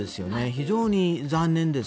非常に残念です。